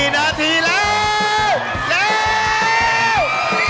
๔นาทีแล้ว